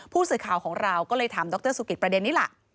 ผู้สื่อข่าวของเราก็เลยถามดรสุกิตประเด็นนี้ล่ะ